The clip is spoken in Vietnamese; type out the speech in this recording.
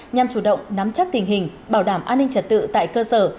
nhằm chủ động nắm chắc tình hình bảo đảm an ninh trật tự tại cơ sở